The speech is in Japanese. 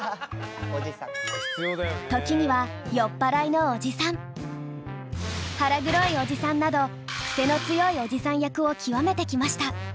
時には「酔っぱらいのおじさん」「腹黒いおじさん」などクセの強いおじさん役を極めてきました。